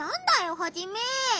ハジメ。